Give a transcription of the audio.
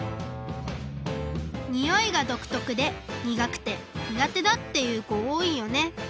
においがどくとくでにがくてにがてだっていうこおおいよね。